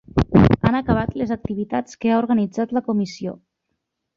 Han acabat les activitats que ha organitzat la comissió.